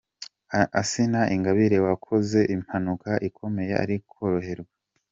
Asinah Ingabire wakoze impanuka ikomeye ari koroherwa.